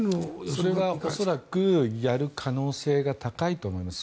それが、恐らくやる可能性が高いと思います。